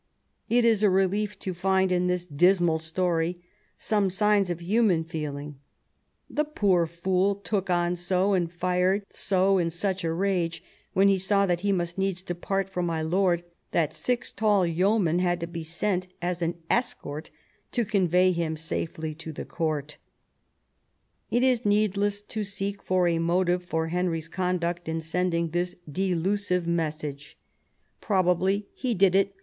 It is a relief to find in this dismal story some signs of human feeling. " The poor fool took on so, and fired so in such a rage when he saw that he must needs depart from my lord," that six tall yeomen had to be sent as an escort to convey him safely to the Court It is needless to seek for a motive for Henry's conduct in sending this delusive message; probably he did it 188 THOMAS WOLSEY ohap.